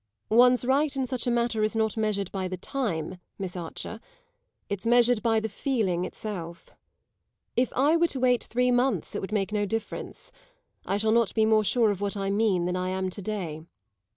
"One's right in such a matter is not measured by the time, Miss Archer; it's measured by the feeling itself. If I were to wait three months it would make no difference; I shall not be more sure of what I mean than I am to day.